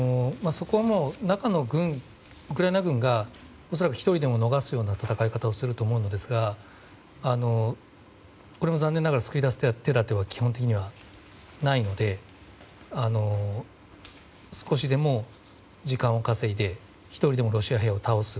そこはもう中のウクライナ軍が恐らく１人でも逃すような戦い方をすると思うのですがこれは残念ながら救い出す手立ては基本的にはないので少しでも時間を稼いで１人でもロシア兵を倒す。